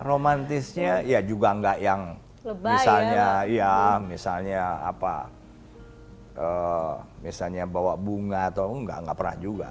romantisnya ya juga nggak yang misalnya ya misalnya apa misalnya bawa bunga atau enggak enggak pernah juga